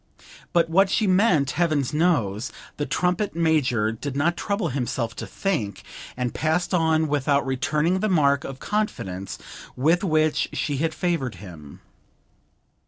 But what she meant heaven knows: the trumpet major did not trouble himself to think, and passed on without returning the mark of confidence with which she had favoured him.